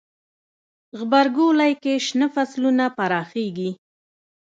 غبرګولی کې شنه فصلونه پراخیږي.